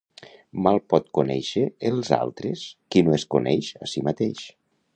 Mal pot conèixer els altres qui no es coneix a si mateix.